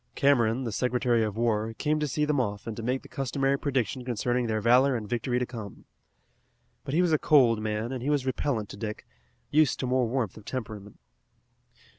Cameron, the Secretary of War, came to see them off and to make the customary prediction concerning their valor and victory to come. But he was a cold man, and he was repellent to Dick, used to more warmth of temperament.